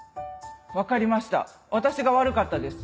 分かりました私が悪かったです。